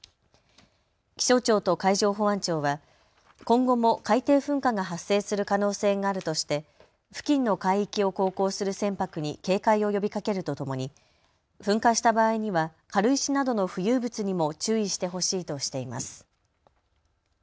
気象庁と海上保安庁は今後も海底噴火が発生する可能性があるとして付近の海域を航行する船舶に警戒を呼びかけるとともに噴火した場合には軽石などの浮遊物にも注意してほしいとしています。